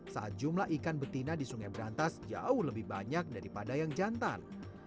saat jumlah ikan betina di sungai berantas jauh lebih banyak daripada yang jantan